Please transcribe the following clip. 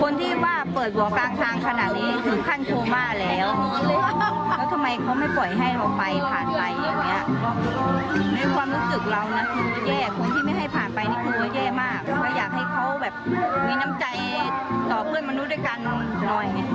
มีน้ำใจต่อเพื่อนมนุษย์ด้วยกันหน่อย